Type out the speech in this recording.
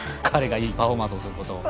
彼がいいパフォーマンスすること。